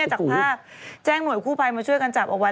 จากภาพแจ้งหน่วยกู้ภัยมาช่วยกันจับเอาไว้